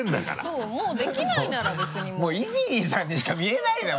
そうもうできないなら別にもうもうイジリーさんにしか見えないのよ